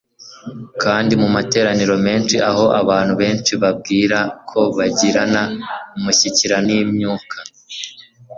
Kandi mu materaniro menshi aho abantu benshi bibwira ko bagirana umushyikirano n'imyuka,